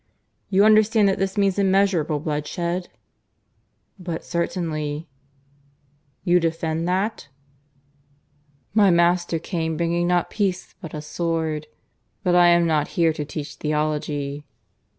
"You understand that this means immeasurable bloodshed?" "But certainly." "You defend that?" "My Master came bringing not peace, but a sword. But I am not here to teach theology."